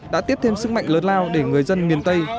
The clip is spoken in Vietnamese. đã tiếp thêm sức mạnh lớn lao để người dân miền tây